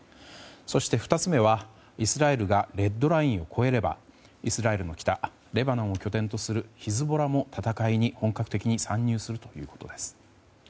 そして２つ目はイスラエルがレッドラインを超えればイスラエルの北、レバノンを拠点とするヒズボラも戦いに本格的に参入するということです。